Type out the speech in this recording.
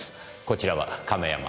こちらは亀山。